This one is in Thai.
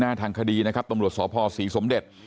กำลังรอบที่นี่นะครับตำรวจสภศรีสมเด็จ